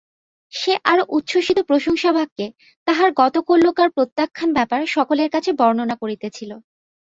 সে আরো উচ্ছ্বসিত প্রশংসাবাক্যে তাহার গতকল্যকার প্রত্যাখ্যান-ব্যাপার সকলের কাছে বর্ণনা করিতেছিল।